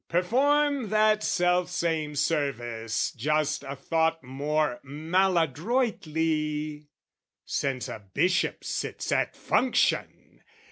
Perform that self same service just a thought More maladroitly, since a bishop sits At function!